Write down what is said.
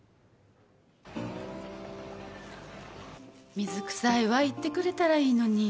水臭いわ言ってくれたらいいのに。